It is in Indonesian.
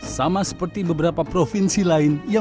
sama seperti beberapa provinsi lain